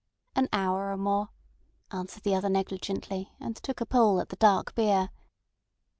"An hour or more," answered the other negligently, and took a pull at the dark beer.